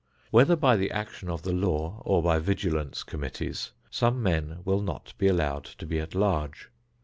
Whether by the action of the law or by vigilance committees, some men will not be allowed to be at large.